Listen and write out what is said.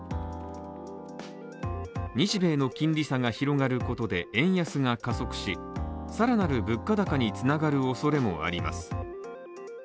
日米の金利差が広がることで円安が加速し更なる物価高につながるおそれもあります。